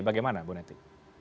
bagaimana bu neti